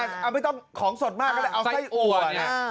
อันนี้อ่ะไม่ต้องของสดมากเอาไส้อัวเนี่ย